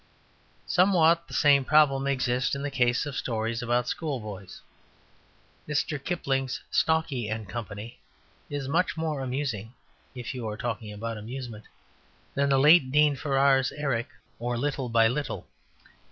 Somewhat the same problem exists in the case of stories about schoolboys. Mr. Kipling's "Stalky and Co." is much more amusing (if you are talking about amusement) than the late Dean Farrar's "Eric; or, Little by Little."